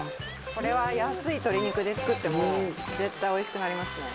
これは安い鶏肉で作っても絶対おいしくなりますね。